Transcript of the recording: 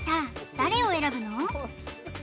誰を選ぶの？